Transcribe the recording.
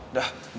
aduh udah umut ya